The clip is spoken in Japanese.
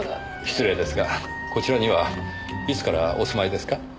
失礼ですがこちらにはいつからお住まいですか？